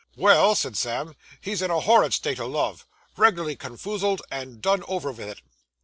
'Well,' said Sam, 'he's in a horrid state o' love; reg'larly comfoozled, and done over vith it.